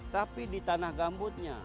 tapi di tanah gambutnya